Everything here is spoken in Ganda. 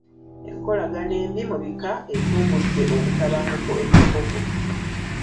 Enkolagana embi mu bika etumbudde obutabanguko e Koboko.